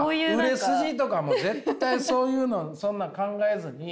売れ筋とかもう絶対そういうのそんなん考えずに。